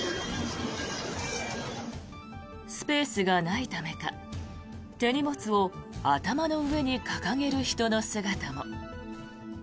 スペースがないためか、手荷物を頭の上に掲げる人の姿も。